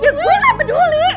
ya gue gak peduli